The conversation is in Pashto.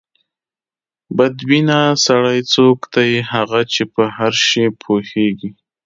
بد بینه سړی څوک دی؟ هغه چې په هر شي پوهېږي.